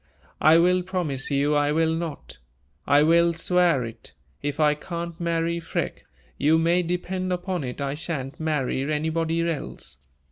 "I will promise you I will not I will swear it if I can't marry Freke, you may depend upon it I sha'n't marry anybody else!